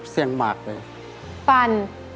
เสี่ยงมากเลย